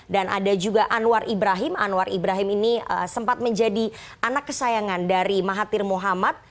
dan ada juga anwar ibrahim anwar ibrahim ini sempat menjadi anak kesayangan dari mahathir mohamad